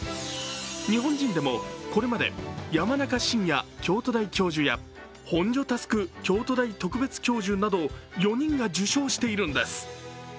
日本人でも、これまで山中伸弥京都大教授や本庶佑京都大特別教授など４人が受賞しているんです。